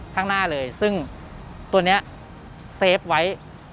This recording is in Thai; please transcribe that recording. ข้างหน้าเลยซึ่งตัวนี้เซฟไว้